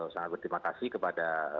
sangat berterima kasih kepada